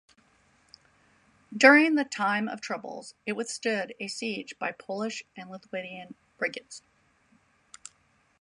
During the Time of Troubles it withstood a siege by Polish and Lithuanian brigands.